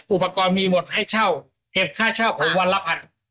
อุปกรณ์มีหมดให้เช่าเก็บค่าเช่าผมวันละพัน